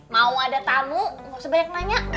mau ada tamu gak usah banyak nanya